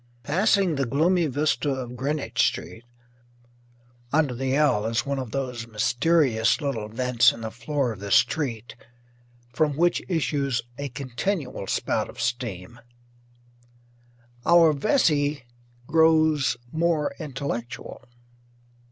Passing the gloomy vista of Greenwich Street under the "L" is one of those mysterious little vents in the floor of the street from which issues a continual spout of steam our Vesey grows more intellectual.